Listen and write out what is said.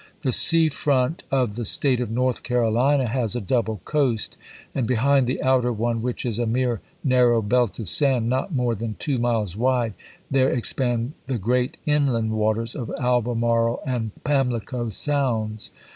The sea front of the State of North Carolina has a double coast ; and behind the outer one, which is a mere narrow belt of sand not more than two miles wide, there expand the great inland waters of Albemarle and Pamlico Sounds.